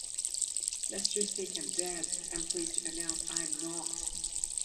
Lest you think I am dead, I’m pleased to announce I'm not!